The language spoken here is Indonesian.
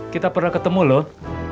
kita pernah ketemu loh